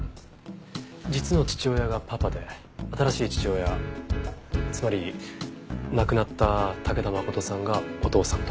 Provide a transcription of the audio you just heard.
実の父親がパパで新しい父親つまり亡くなった武田誠さんがお父さんと。